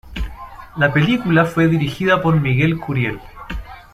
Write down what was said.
La película fue dirigida por Miguel Curiel.